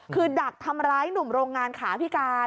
คือดักทำร้ายหนุ่มโรงงานขาพิการ